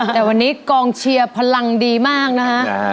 แต่วันนี้กองเชียร์พลังดีมากนะฮะ